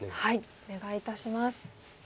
お願いいたします。